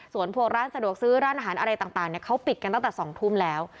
ส่วนพวกร้านสะดวกซื้อร้านอาหารอะไรต่างเขาปิดกันตั้งแต่๒ทุ่มแล้ว